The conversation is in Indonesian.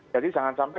jadi jangan sampai